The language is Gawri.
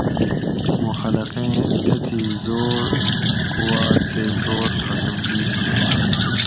مو خلقیں تتھی زوڑ قوات تے زور ختم ہیت